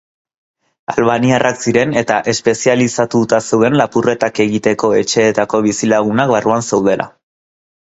Albaniarrak ziren eta espezializatuta zeuden lapurretak egiteko etxeetako bizilagunak barruan zeudela.